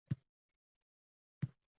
Ularga bir ota bog‘bon misoli